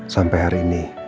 sampai hari ini